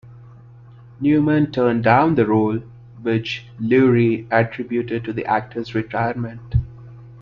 Newman turned down the role, which Lurie attributed to the actor's retirement.